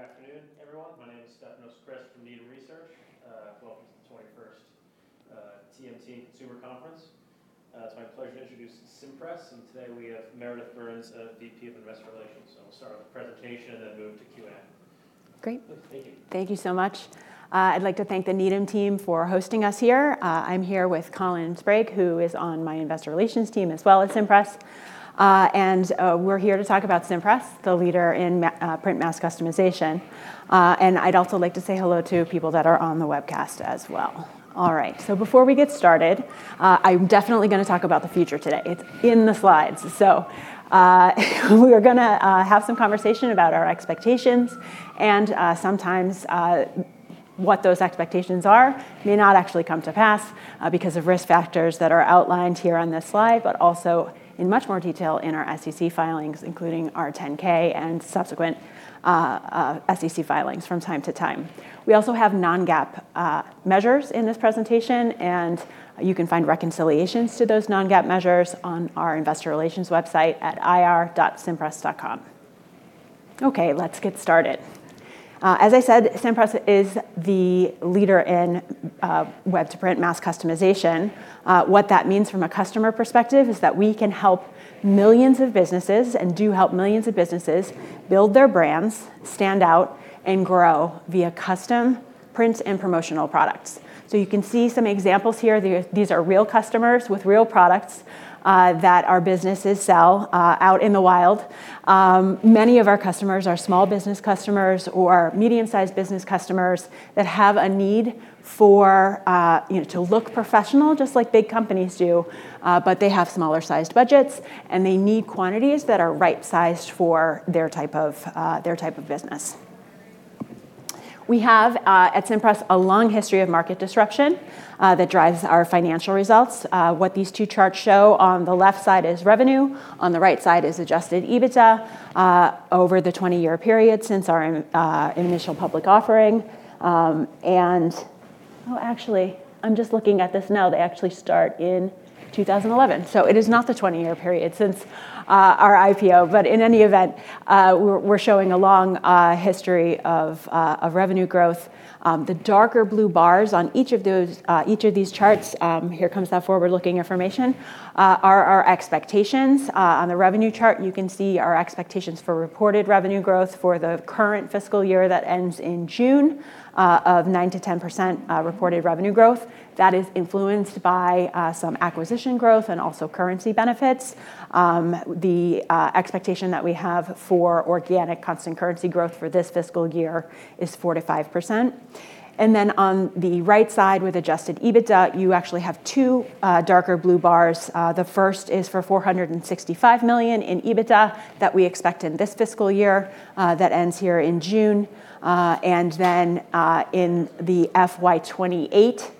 All right. Good afternoon, everyone. My name is Stefanos Crist from Needham Research. Welcome to the 21st TMT Consumer Conference. It's my pleasure to introduce Cimpress, and today we have Meredith Burns, VP of Investor Relations. We'll start with a presentation, and then move to Q&A. Great. Thank you. Thank you so much. I'd like to thank the Needham team for hosting us here. I'm here with Colin Sprague, who is on my investor relations team as well as Cimpress. We're here to talk about Cimpress, the leader in print mass customization. I'd also like to say hello to people that are on the webcast as well. Before we get started, I'm definitely gonna talk about the future today. It's in the slides. We're gonna have some conversation about our expectations and sometimes what those expectations are may not actually come to pass because of risk factors that are outlined here on this slide, but also in much more detail in our SEC filings, including our 10-K and subsequent SEC filings from time to time. We also have non-GAAP measures in this presentation, and you can find reconciliations to those non-GAAP measures on our investor relations website at ir.cimpress.com. Okay, let's get started. As I said, Cimpress is the leader in web-to-print mass customization. What that means from a customer perspective is that we can help millions of businesses and do help millions of businesses build their brands, stand out and grow via custom prints and promotional products. You can see some examples here. These are real customers with real products that our businesses sell out in the wild. Many of our customers are small business customers or medium-sized business customers that have a need for, you know, to look professional just like big companies do, but they have smaller sized budgets, and they need quantities that are right sized for their type of, their type of business. We have, at Cimpress, a long history of market disruption that drives our financial results. What these two charts show on the left side is revenue, on the right side is adjusted EBITDA over the 20-year period since our initial public offering. Actually, I'm just looking at this now. They actually start in 2011. It is not the 20-year period since our IPO. In any event, we're showing a long history of revenue growth. The darker blue bars on each of those, each of these charts, here comes that forward-looking information, are our expectations. On the revenue chart, you can see our expectations for reported revenue growth for the current fiscal year that ends in June, of 9%-10% reported revenue growth. That is influenced by some acquisition growth and also currency benefits. The expectation that we have for organic constant currency growth for this fiscal year is 4%-5%. On the right side with adjusted EBITDA, you actually have two darker blue bars. The first is for $465 million in EBITDA that we expect in this fiscal year that ends here in June. In the FY 2028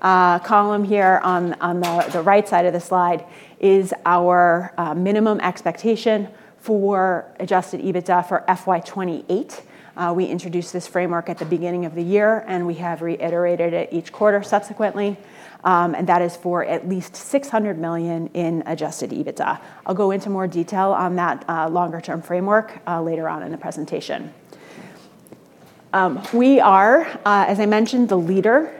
column here on the right side of the slide is our minimum expectation for adjusted EBITDA for FY 2028. We introduced this framework at the beginning of the year, we have reiterated it each quarter subsequently. That is for at least $600 million in adjusted EBITDA. I'll go into more detail on that longer term framework later on in the presentation. We are, as I mentioned, the leader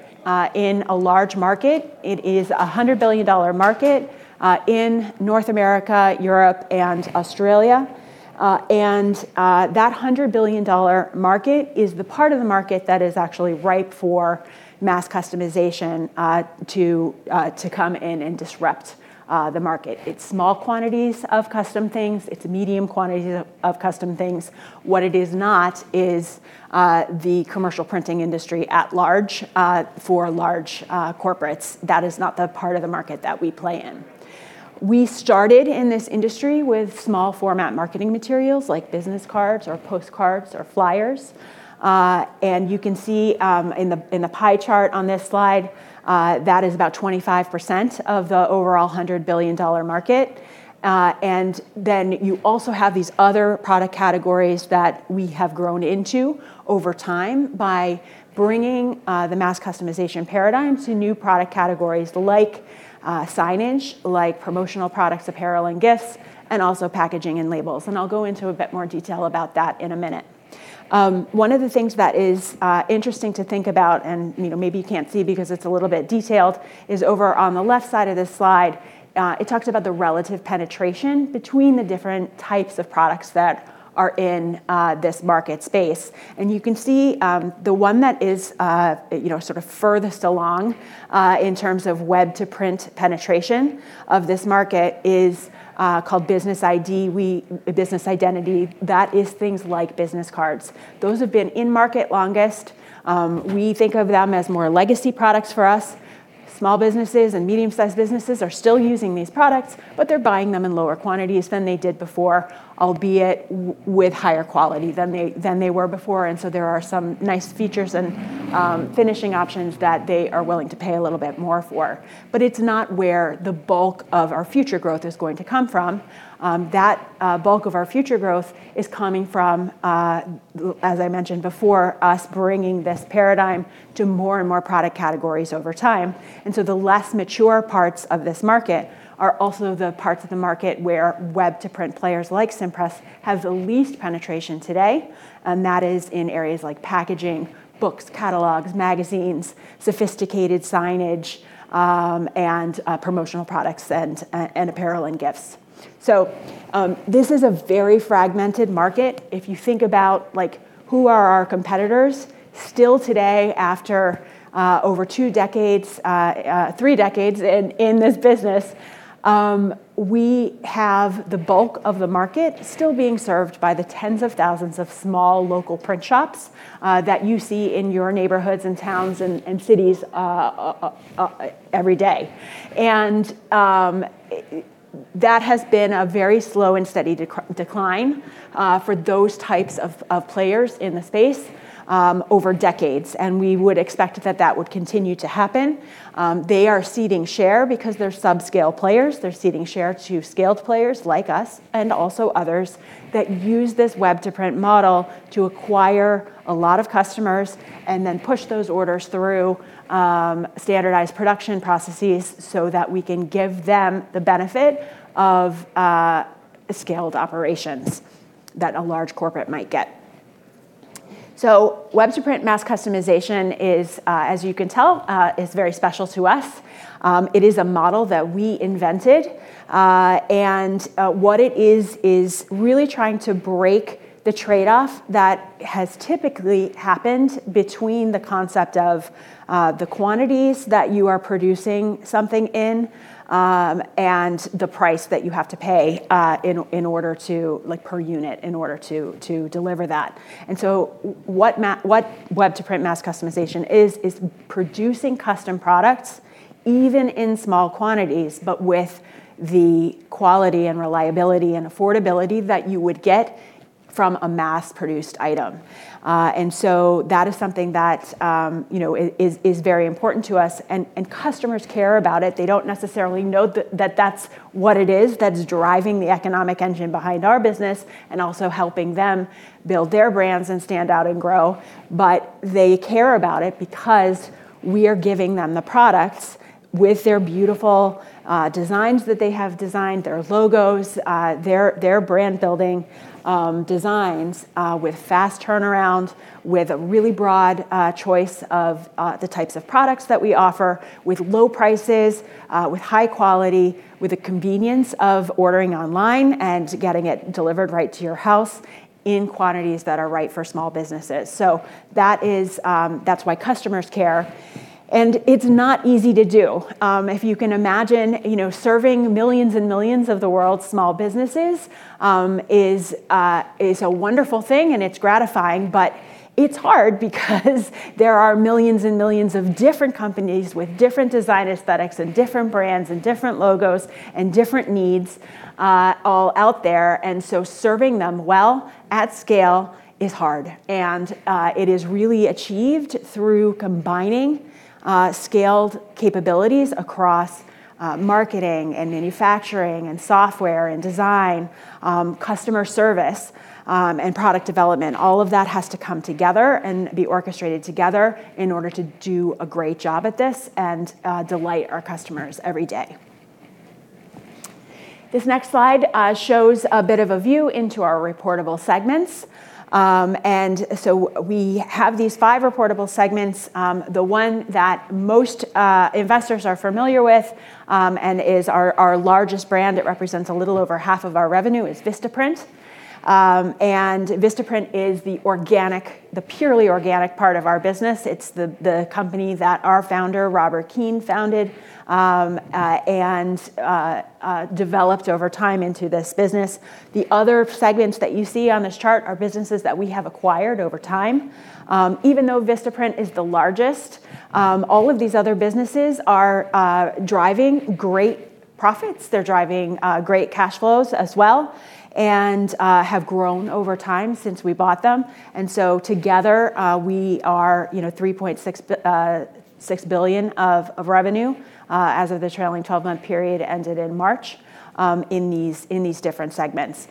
in a large market. It is a $100 billion market in North America, Europe and Australia. That $100 billion market is the part of the market that is actually ripe for mass customization to come in and disrupt the market. It's small quantities of custom things. It's medium quantities of custom things. What it is not is the commercial printing industry at large for large corporates. That is not the part of the market that we play in. We started in this industry with small format marketing materials like business cards or postcards or flyers. You can see in the pie chart on this slide, that is about 25% of the overall $100 billion market. Then you also have these other product categories that we have grown into over time by bringing the mass customization paradigm to new product categories like signage, like promotional products, apparel and gifts, and also packaging and labels. I'll go into a bit more detail about that in a minute. One of the things that is interesting to think about, and, you know, maybe you can't see because it's a little bit detailed, is over on the left side of this slide. It talks about the relative penetration between the different types of products that are in this market space. You can see, the one that is, you know, sort of furthest along in terms of web-to-print penetration of this market is called Business ID. Business identity. That is things like business cards. Those have been in market longest. We think of them as more legacy products for us. Small businesses and medium-sized businesses are still using these products, but they're buying them in lower quantities than they did before, albeit with higher quality than they were before. There are some nice features and finishing options that they are willing to pay a little bit more for. It's not where the bulk of our future growth is going to come from. That bulk of our future growth is coming from as I mentioned before, us bringing this paradigm to more and more product categories over time. The less mature parts of this market are also the parts of the market where web-to-print players like Cimpress have the least penetration today, and that is in areas like packaging, books, catalogs, magazines, sophisticated signage, and promotional products and apparel and gifts. This is a very fragmented market. If you think about, like, who are our competitors, still today, after over two decades, three decades in this business, we have the bulk of the market still being served by the tens of thousands of small local print shops that you see in your neighborhoods and towns and cities every day. That has been a very slow and steady decline for those types of players in the space over decades. We would expect that that would continue to happen. They are ceding share because they're subscale players. They're ceding share to scaled players like us and also others that use this web-to-print model to acquire a lot of customers and then push those orders through standardized production processes so that we can give them the benefit of scaled operations that a large corporate might get. Web-to-print mass customization is very special to us. It is a model that we invented. What it is really trying to break the trade-off that has typically happened between the concept of the quantities that you are producing something in and the price that you have to pay in order to per unit, in order to deliver that. What web-to-print mass customization is producing custom products, even in small quantities, but with the quality and reliability and affordability that you would get from a mass-produced item. That is something that, you know, is very important to us. Customers care about it. They don't necessarily know that's what it is that's driving the economic engine behind our business and also helping them build their brands and stand out and grow. They care about it because we are giving them the products with their beautiful designs that they have designed, their logos, their brand-building designs, with fast turnaround, with a really broad choice of the types of products that we offer, with low prices, with high quality, with the convenience of ordering online and getting it delivered right to your house in quantities that are right for small businesses. That is why customers care, and it's not easy to do. If you can imagine, serving millions and millions of the world's small businesses is a wonderful thing and it's gratifying, but it's hard because there are millions and millions of different companies with different design aesthetics and different brands and different logos and different needs all out there. Serving them well at scale is hard, and it is really achieved through combining scaled capabilities across marketing and manufacturing and software and design, customer service, and product development. All of that has to come together and be orchestrated together in order to do a great job at this and delight our customers every day. This next slide shows a bit of a view into our reportable segments. We have these five reportable segments. The one that most investors are familiar with, and is our largest brand, it represents a little over half of our revenue, is Vistaprint. Vistaprint is the organic, the purely organic part of our business. It's the company that our founder, Robert Keane, founded and developed over time into this business. The other segments that you see on this chart are businesses that we have acquired over time. Even though Vistaprint is the largest, all of these other businesses are driving great profits. They're driving great cash flows as well and have grown over time since we bought them. Together, we are, you know, $3.6 billion of revenue as of the trailing 12-month period ended in March in these different segments.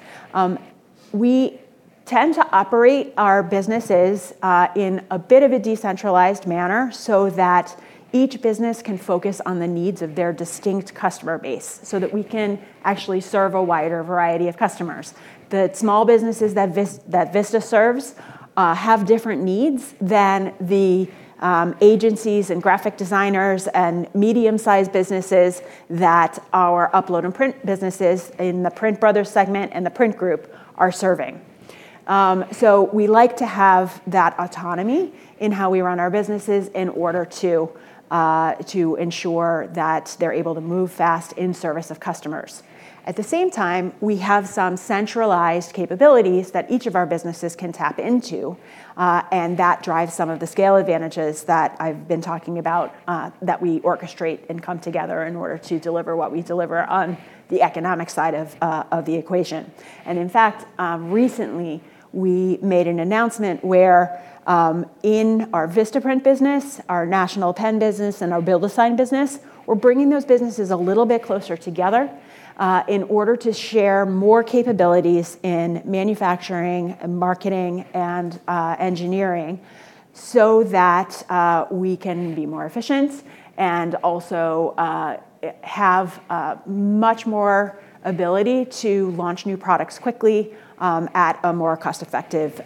We tend to operate our businesses in a bit of a decentralized manner so that each business can focus on the needs of their distinct customer base, so that we can actually serve a wider variety of customers. The small businesses that Vista serves have different needs than the agencies and graphic designers and medium-sized businesses that our upload-and-print businesses in the PrintBrothers segment and The Print Group are serving. We like to have that autonomy in how we run our businesses in order to ensure that they're able to move fast in service of customers. At the same time, we have some centralized capabilities that each of our businesses can tap into, and that drives some of the scale advantages that I've been talking about, that we orchestrate and come together in order to deliver what we deliver on the economic side of the equation. In fact, recently we made an announcement where, in our Vistaprint business, our National Pen business, and our BuildASign business, we're bringing those businesses a little bit closer together, in order to share more capabilities in manufacturing and marketing and engineering so that we can be more efficient and also have much more ability to launch new products quickly, at a more cost-effective,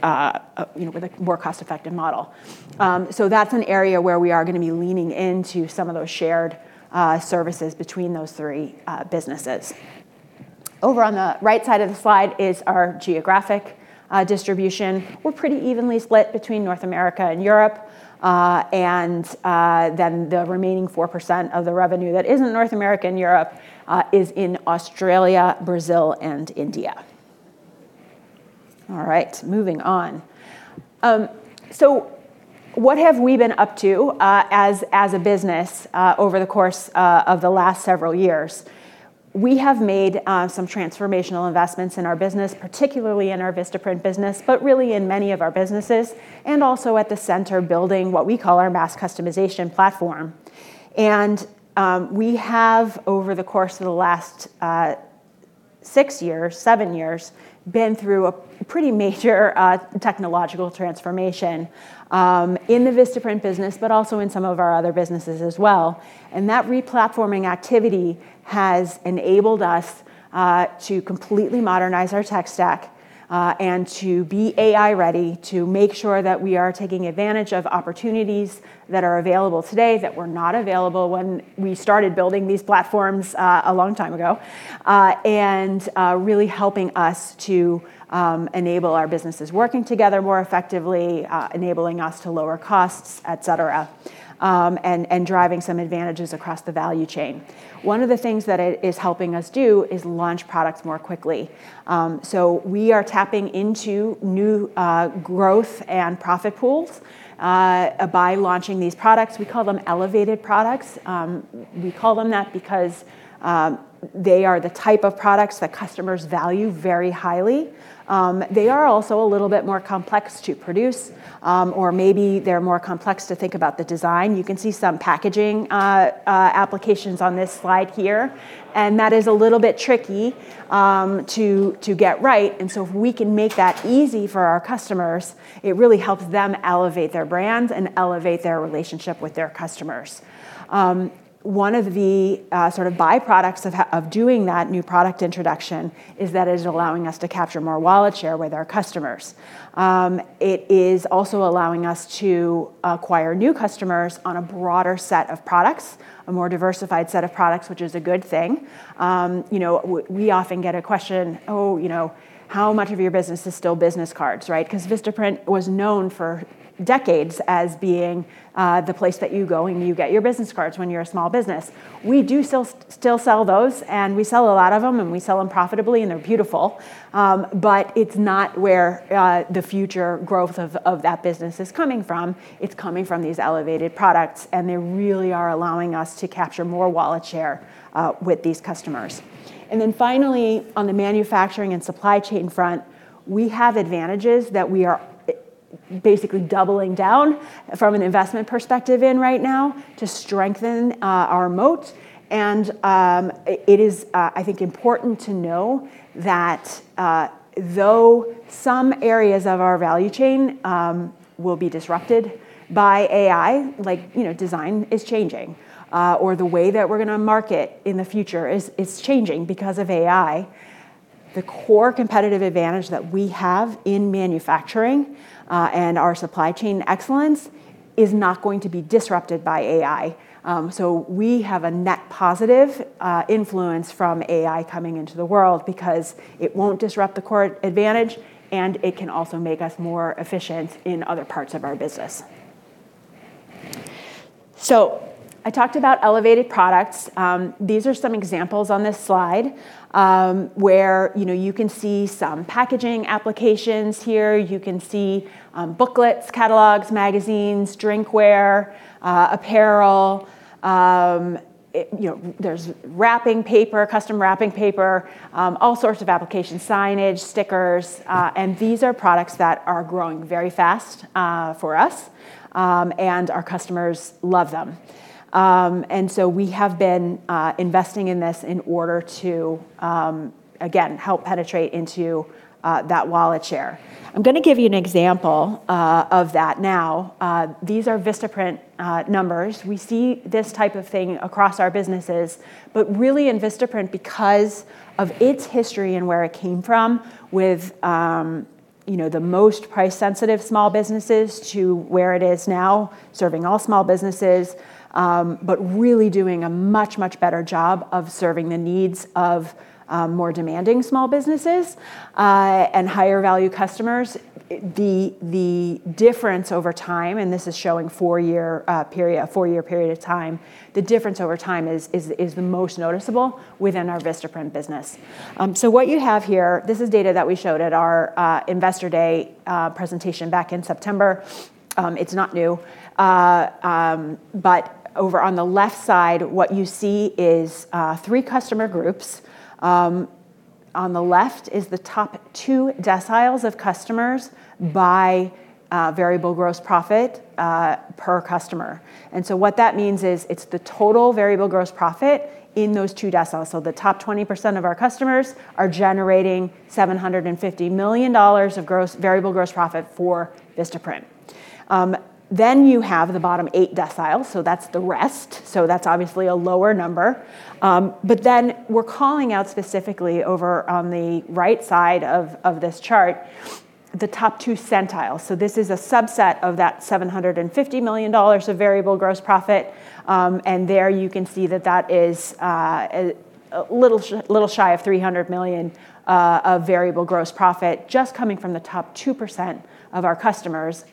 you know, with a more cost-effective model. That's an area where we are gonna be leaning into some of those shared services between those three businesses. Over on the right side of the slide is our geographic distribution. We're pretty evenly split between North America and Europe. The remaining 4% of the revenue that isn't North America and Europe is in Australia, Brazil, and India. All right, moving on. What have we been up to as a business over the course of the last several years? We have made some transformational investments in our business, particularly in our Vistaprint business, but really in many of our businesses, and also at the center building, what we call our mass customization platform. We have over the course of the last six years, seven years, been through a pretty major technological transformation in the Vistaprint business, but also in some of our other businesses as well. That re-platforming activity has enabled us to completely modernize our tech stack and to be AI-ready to make sure that we are taking advantage of opportunities that are available today that were not available when we started building these platforms a long time ago. Really helping us to enable our businesses working together more effectively, enabling us to lower costs, et cetera, and driving some advantages across the value chain. One of the things that it is helping us do is launch products more quickly. We are tapping into new growth and profit pools by launching these products. We call them elevated products. We call them that because they are the type of products that customers value very highly. They are also a little bit more complex to produce, or maybe they're more complex to think about the design. You can see some packaging applications on this slide here, and that is a little bit tricky to get right. If we can make that easy for our customers, it really helps them elevate their brands and elevate their relationship with their customers. One of the sort of byproducts of doing that new product introduction is that it is allowing us to capture more wallet share with our customers. It is also allowing us to acquire new customers on a broader set of products, a more diversified set of products, which is a good thing. You know, we often get a question, "Oh, you know, how much of your business is still business cards," right? Vistaprint was known for decades as being the place that you go and you get your business cards when you're a small business. We do still sell those, and we sell a lot of them, and we sell them profitably, and they're beautiful. It's not where the future growth of that business is coming from. It's coming from these elevated products, and they really are allowing us to capture more wallet share with these customers. Finally, on the manufacturing and supply chain front, we have advantages that we are basically doubling down from an investment perspective in right now to strengthen our moat. It is, I think, important to know that though some areas of our value chain will be disrupted by AI, like, you know, design is changing, or the way that we're going to market in the future is changing because of AI, the core competitive advantage that we have in manufacturing and our supply chain excellence is not going to be disrupted by AI. We have a net positive influence from AI coming into the world because it won't disrupt the core advantage, and it can also make us more efficient in other parts of our business. I talked about elevated products. These are some examples on this slide, where you can see some packaging applications here. You can see booklets, catalogs, magazines, drinkware, apparel. It, you know, there's wrapping paper, custom wrapping paper, all sorts of applications, signage, stickers. These are products that are growing very fast for us. Our customers love them. We have been investing in this in order to again, help penetrate into that wallet share. I'm gonna give you an example of that now. These are Vistaprint numbers. We see this type of thing across our businesses, but really in Vistaprint because of its history and where it came from with, you know, the most price-sensitive small businesses to where it is now serving all small businesses, but really doing a much, much better job of serving the needs of more demanding small businesses and higher value customers. The difference over time, and this is showing a four-year period of time, the difference over time is the most noticeable within our Vistaprint business. What you have here, this is data that we showed at our Investor Day presentation back in September. It's not new. Over on the left side, what you see is three customer groups. On the left is the top two deciles of customers by variable gross profit per customer. What that means is it's the total variable gross profit in those two deciles. The top 20% of our customers are generating $750 million of variable gross profit for Vistaprint. You have the bottom eight deciles, that's the rest. That's obviously a lower number. We're calling out specifically over on the right side of this chart the top two centiles. This is a subset of that $750 million of variable gross profit. There you can see that that is a little shy of $300 million of variable gross profit just coming from the top 2% of our customers.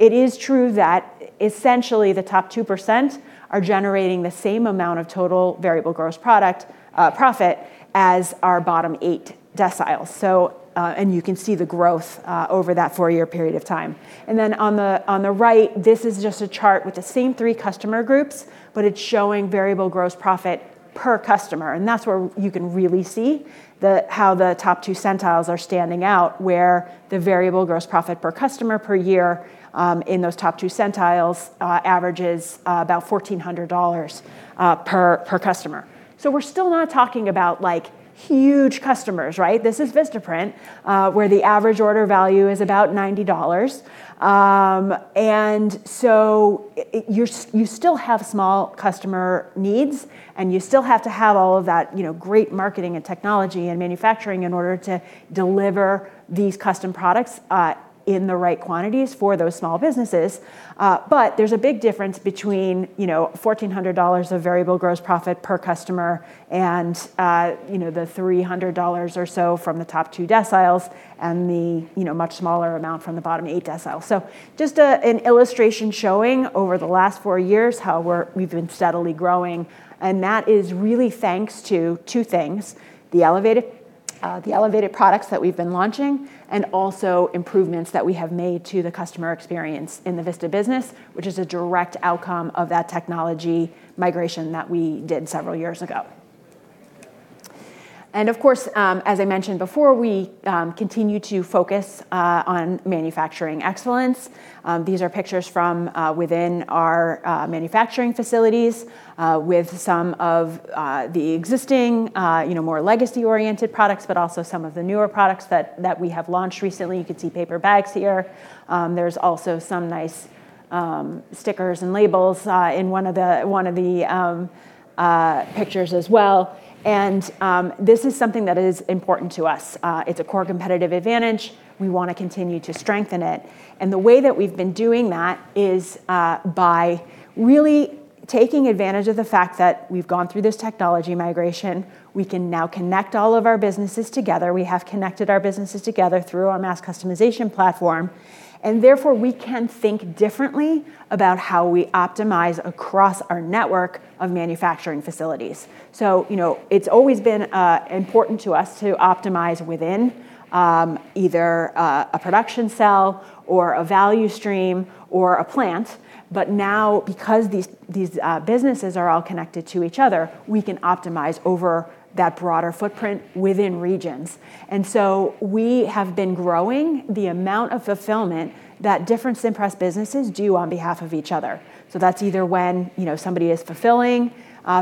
It is true that essentially the top 2% are generating the same amount of total variable gross profit as our bottom eight deciles. You can see the growth over that four-year period of time. On the right, this is just a chart with the same three customer groups, but it's showing variable gross profit per customer, that's where you can really see how the top two centiles are standing out, where the variable gross profit per customer per year in those top two centiles averages about $1,400 per customer. We're still not talking about, like, huge customers, right? This is Vistaprint, where the average order value is about $90. You still have small customer needs, and you still have to have all of that, you know, great marketing and technology and manufacturing in order to deliver these custom products in the right quantities for those small businesses. There's a big difference between, you know, $1,400 of variable gross profit per customer and, you know, the $300 or so from the top two deciles and the, you know, much smaller amount from the bottom eight deciles. Just an illustration showing over the last four years how we've been steadily growing, and that is really thanks to two things, the elevated products that we've been launching and also improvements that we have made to the customer experience in the Vista business, which is a direct outcome of that technology migration that we did several years ago. Of course, as I mentioned before, we continue to focus on manufacturing excellence. These are pictures from within our manufacturing facilities, with some of the existing, more legacy-oriented products, but also some of the newer products that we have launched recently. You can see paper bags here. There's also some nice stickers and labels in one of the pictures as well. This is something that is important to us. It's a core competitive advantage. We wanna continue to strengthen it. The way that we've been doing that is by really taking advantage of the fact that we've gone through this technology migration. We can now connect all of our businesses together. We have connected our businesses together through our mass customization platform, and therefore, we can think differently about how we optimize across our network of manufacturing facilities. You know, it's always been important to us to optimize within either a production cell or a value stream or a plant. Now, because these businesses are all connected to each other, we can optimize over that broader footprint within regions. We have been growing the amount of fulfillment that different Cimpress businesses do on behalf of each other. That's either when, you know, somebody is fulfilling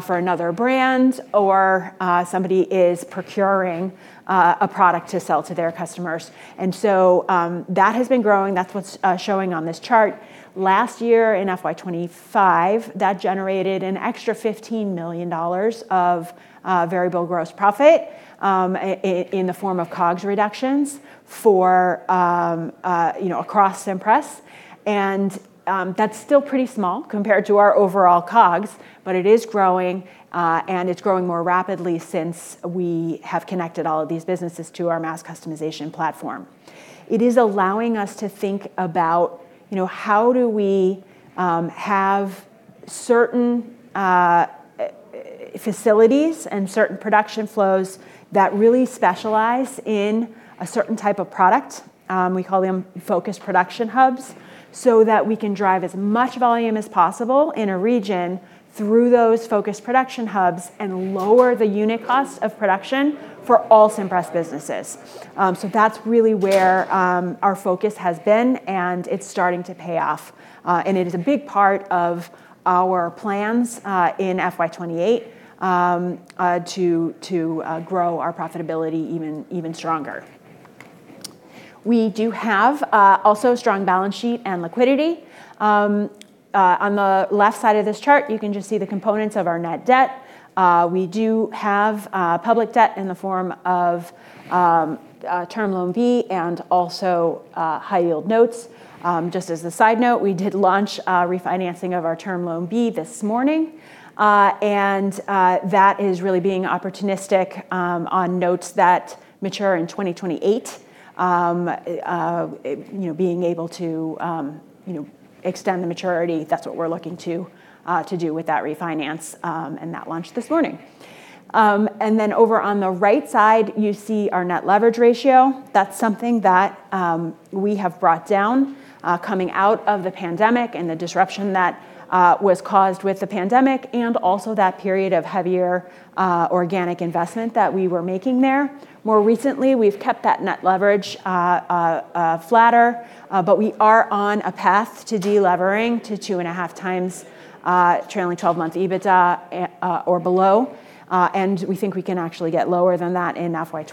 for another brand or somebody is procuring a product to sell to their customers. That has been growing. That's what's showing on this chart. Last year in FY 2025, that generated an extra $15 million of variable gross profit in the form of COGS reductions for, you know, across Cimpress. That's still pretty small compared to our overall COGS, but it is growing, and it's growing more rapidly since we have connected all of these businesses to our mass customization platform. It is allowing us to think about, you know, how do we have certain facilities and certain production flows that really specialize in a certain type of product, we call them focused production hubs, so that we can drive as much volume as possible in a region through those focused production hubs and lower the unit cost of production for all Cimpress businesses. That's really where our focus has been, and it's starting to pay off. It is a big part of our plans in FY 2028 to grow our profitability even stronger. We do have also a strong balance sheet and liquidity. On the left side of this chart, you can just see the components of our net debt. We do have public debt in the form of Term Loan B and also high yield notes. Just as a side note, we did launch a refinancing of our Term Loan B this morning. That is really being opportunistic on notes that mature in 2028. You know, being able to, you know, extend the maturity, that's what we're looking to do with that refinance and that launch this morning. Then over on the right side, you see our net leverage ratio. That's something that we have brought down coming out of the pandemic and the disruption that was caused with the pandemic and also that period of heavier organic investment that we were making there. More recently, we've kept that net leverage flatter, but we are on a path to de-levering to 2.5x trailing twelve-month EBITDA or below. We think we can actually get lower than that in FY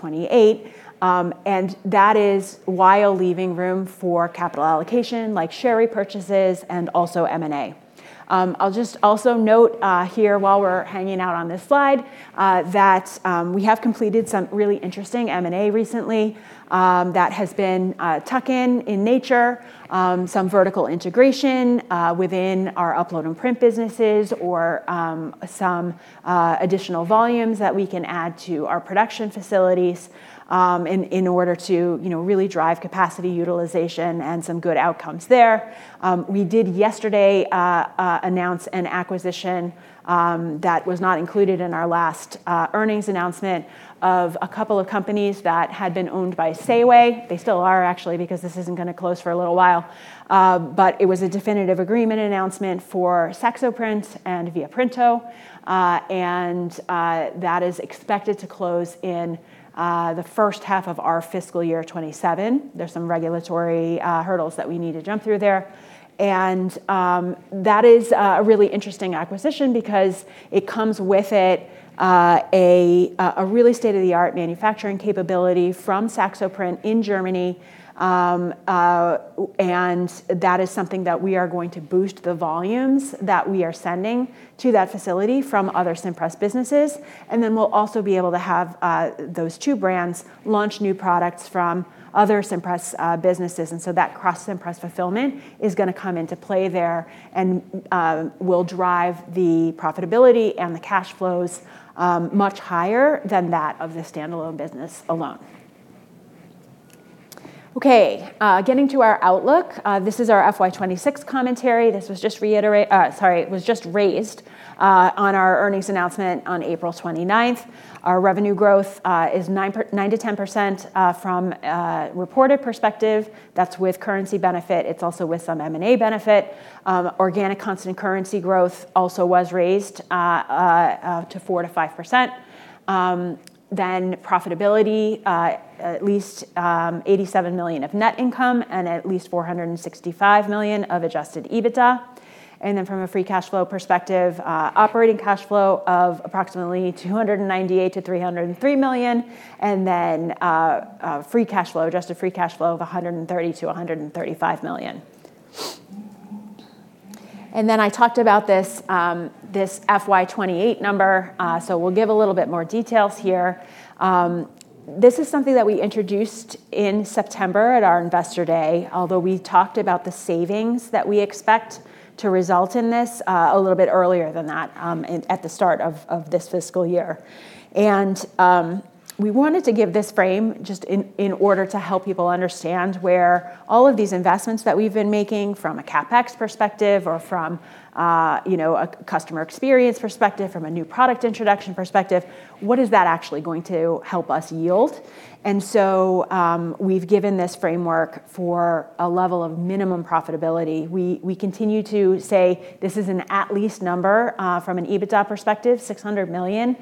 2028. That is while leaving room for capital allocation like share repurchases and also M&A. I'll just also note here while we're hanging out on this slide that we have completed some really interesting M&A recently that has been tuck-in in nature, some vertical integration within our upload-and-print businesses or some additional volumes that we can add to our production facilities in order to really drive capacity utilization and some good outcomes there. We did yesterday announce an acquisition that was not included in our last earnings announcement of a couple of companies that had been owned by CEWE. They still are actually because this isn't gonna close for a little while. It was a definitive agreement announcement for SAXOPRINT and viaprinto. That is expected to close in the first half of our fiscal year 2027. There's some regulatory hurdles that we need to jump through there. That is a really interesting acquisition because it comes with it a really state-of-the-art manufacturing capability from SAXOPRINT in Germany. That is something that we are going to boost the volumes that we are sending to that facility from other Cimpress businesses. We'll also be able to have those two brands launch new products from other Cimpress businesses. That cross Cimpress fulfillment is gonna come into play there and will drive the profitability and the cash flows much higher than that of the standalone business alone. Okay, getting to our outlook, this is our FY 2026 commentary. This was just raised on our earnings announcement on April 29th. Our revenue growth is 9%-10% from a reported perspective. That's with currency benefit. It's also with some M&A benefit. Organic constant currency growth also was raised to 4%-5%. Profitability at least $87 million of net income and at least $465 million of adjusted EBITDA. From a free cash flow perspective, operating cash flow of approximately $298 million-$303 million, free cash flow, adjusted free cash flow of $130 million-$135 million. I talked about this FY 2028 number, we'll give a little bit more details here. This is something that we introduced in September at our Investor Day, although we talked about the savings that we expect to result in this a little bit earlier than that, in, at the start of this fiscal year. We wanted to give this frame just in order to help people understand where all of these investments that we've been making from a CapEx perspective or from, you know, a customer experience perspective, from a new product introduction perspective, what is that actually going to help us yield? We've given this framework for a level of minimum profitability. We continue to say this is an at least number from an EBITDA perspective, $600 million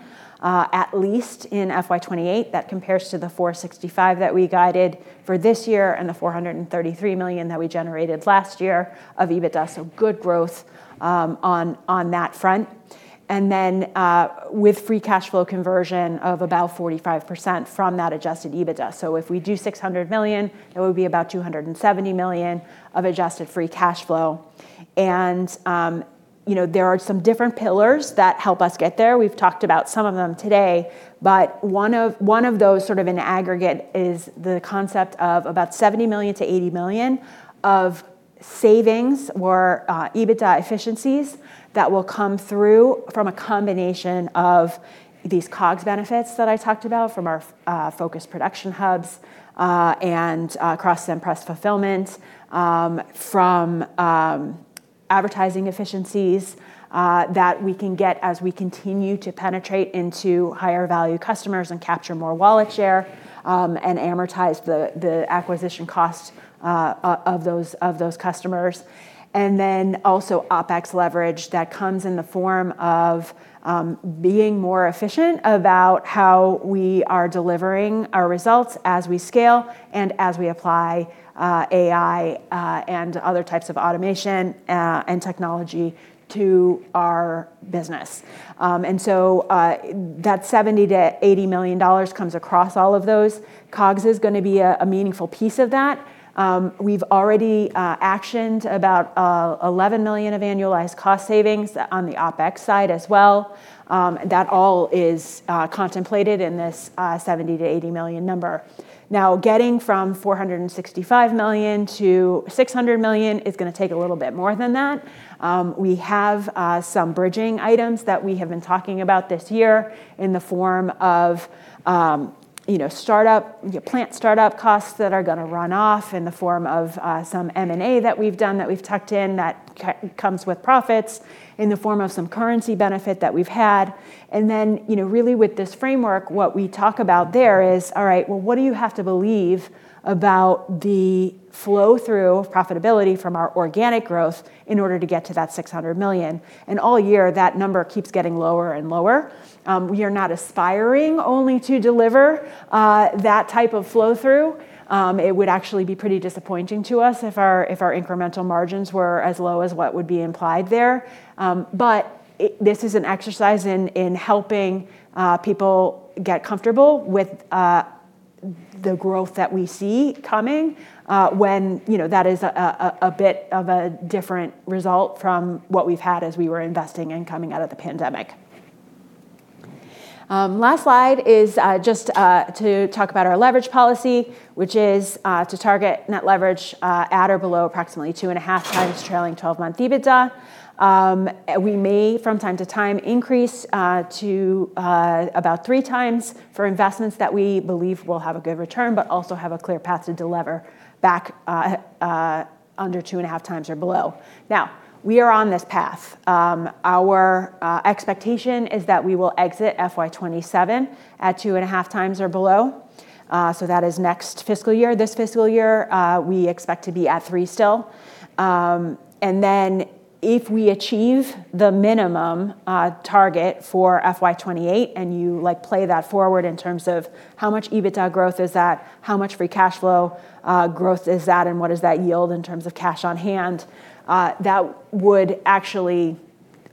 at least in FY 2028. That compares to $465 that we guided for this year and $433 million that we generated last year of EBITDA, so good growth on that front. Then, with free cash flow conversion of about 45% from that adjusted EBITDA. If we do $600 million, it would be about $270 million of adjusted free cash flow. You know, there are some different pillars that help us get there. We've talked about some of them today. One of those sort of in aggregate is the concept of about $70 million-$80 million of savings or EBITDA efficiencies that will come through from a combination of these COGS benefits that I talked about from our focused production hubs, and cross Cimpress fulfillment, from Advertising efficiencies that we can get as we continue to penetrate into higher value customers and capture more wallet share, and amortize the acquisition cost of those customers. Also OpEx leverage that comes in the form of being more efficient about how we are delivering our results as we scale and as we apply AI and other types of automation and technology to our business. That $70 million-$80 million comes across all of those. COGS is gonna be a meaningful piece of that. We've already actioned about $11 million of annualized cost savings on the OpEx side as well. That all is contemplated in this $70 million-$80 million number. Getting from $465 million to $600 million is gonna take a little bit more than that. We have some bridging items that we have been talking about this year in the form of plant startup costs that are gonna run off, in the form of some M&A that we've done that we've tucked in that comes with profits, in the form of some currency benefit that we've had. Then, you know, really with this framework, what we talk about there is, all right, well, what do you have to believe about the flow-through of profitability from our organic growth in order to get to that $600 million? All year, that number keeps getting lower and lower. We are not aspiring only to deliver that type of flow-through. It would actually be pretty disappointing to us if our incremental margins were as low as what would be implied there. This is an exercise in helping people get comfortable with the growth that we see coming, when, you know, that is a bit of a different result from what we've had as we were investing and coming out of the pandemic. Last slide is just to talk about our leverage policy, which is to target net leverage at or below approximately 2.5x trailing 12-month EBITDA. We may from time to time increase to about 3x for investments that we believe will have a good return, but also have a clear path to delever back under 2.5x or below. We are on this path. Our expectation is that we will exit FY 2027 at 2.5x or below, so that is next fiscal year. This fiscal year, we expect to be at 3x still. If we achieve the minimum target for FY 2028, and you, like, play that forward in terms of how much EBITDA growth is that, how much free cash flow growth is that, and what does that yield in terms of cash on hand, that would actually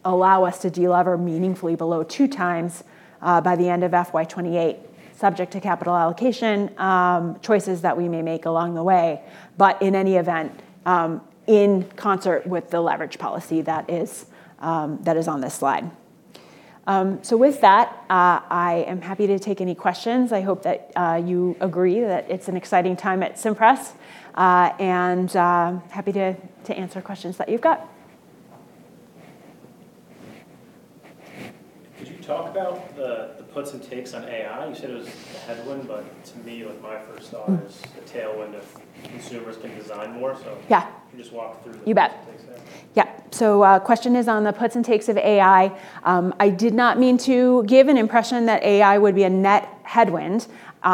allow us to delever meaningfully below 2x by the end of FY 2028, subject to capital allocation choices that we may make along the way. In any event, in concert with the leverage policy that is that is on this slide. With that, I am happy to take any questions. I hope that you agree that it's an exciting time at Cimpress, and happy to answer questions that you've got. Could you talk about the puts and takes on AI? You said it was a headwind, but to me, like, my first thought a tailwind if consumers can design more. Yeah Can you just walk through? You bet. Yeah. Question is on the puts and takes of AI. I did not mean to give an impression that AI would be a net headwind.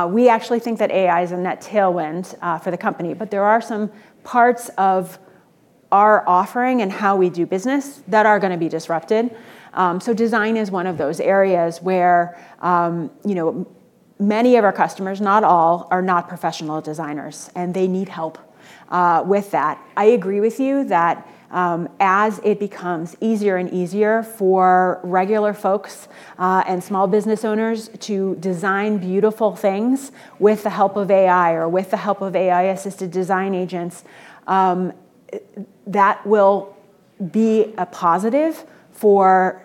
We actually think that AI is a net tailwind for the company. There are some parts of our offering and how we do business that are gonna be disrupted. Design is one of those areas where, you know, many of our customers, not all, are not professional designers, and they need help with that. I agree with you that, as it becomes easier and easier for regular folks, and small business owners to design beautiful things with the help of AI or with the help of AI-assisted design agents, that will be a positive for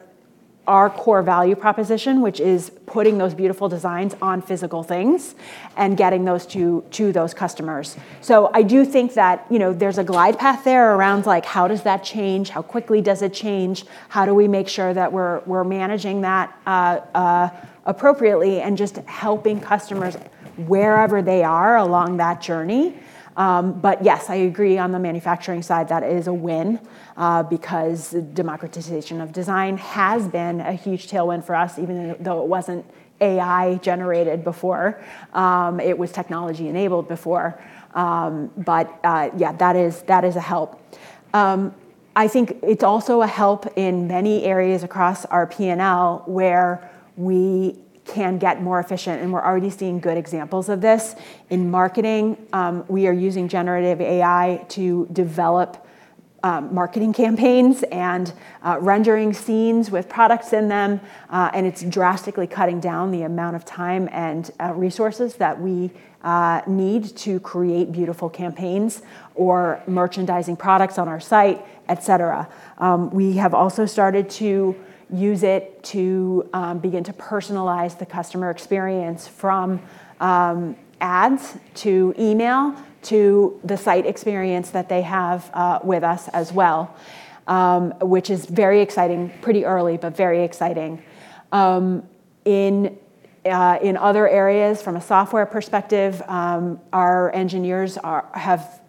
our core value proposition, which is putting those beautiful designs on physical things and getting those to those customers. I do think that, you know, there's a glide path there around, like, how does that change, how quickly does it change, how do we make sure that we're managing that appropriately and just helping customers wherever they are along that journey. Yes, I agree on the manufacturing side, that is a win, because democratization of design has been a huge tailwind for us, even though it wasn't AI-generated before. It was technology-enabled before. Yeah, that is, that is a help. I think it's also a help in many areas across our P&L where we can get more efficient, and we're already seeing good examples of this. In marketing, we are using generative AI to develop marketing campaigns and rendering scenes with products in them, it's drastically cutting down the amount of time and resources that we need to create beautiful campaigns or merchandising products on our site, et cetera. We have also started to use it to begin to personalize the customer experience from ads to email to the site experience that they have with us as well, which is very exciting. Pretty early, but very exciting. In other areas, from a software perspective, our engineers have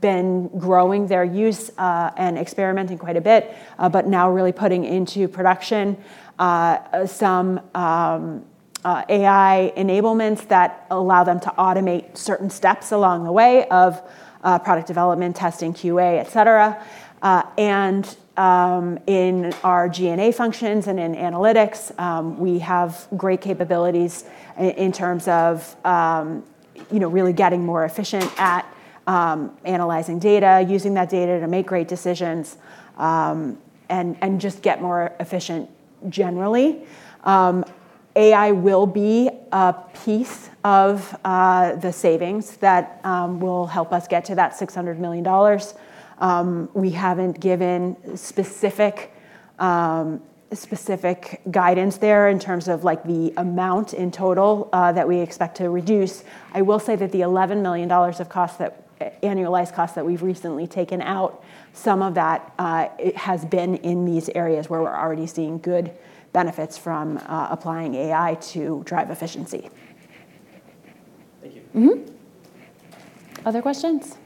been growing their use and experimenting quite a bit, but now really putting into production some AI enablements that allow them to automate certain steps along the way of product development, testing, QA, et cetera. In our G&A functions and in analytics, we have great capabilities in terms of, you know, really getting more efficient at analyzing data, using that data to make great decisions, and just get more efficient generally. AI will be a piece of the savings that will help us get to that $600 million. We haven't given specific guidance there in terms of, like, the amount in total that we expect to reduce. I will say that the $11 million of cost that, annualized cost that we've recently taken out, some of that has been in these areas where we're already seeing good benefits from applying AI to drive efficiency. Thank you. Other questions?